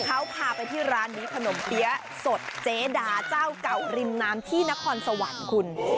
เขาพาไปที่ร้านนี้ขนมเปี๊ยะสดเจดาเจ้าเก่าริมน้ำที่นครสวรรค์คุณ